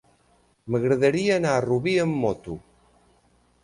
M'agradaria anar a Rubí amb moto.